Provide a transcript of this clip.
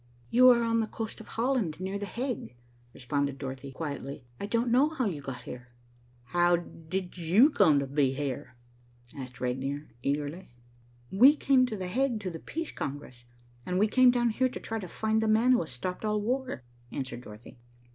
"You are on the coast of Holland, near The Hague," responded Dorothy quietly. "I don't know how you got here." "How did you come to be here?" asked Regnier eagerly. "We came to The Hague to the Peace Congress, and we came down here to try to find the man who has stopped all war," answered Dorothy.